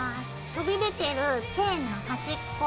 飛び出てるチェーンの端っこ